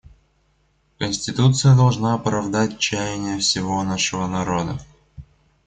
Конституция должна оправдать чаяния всего нашего народа.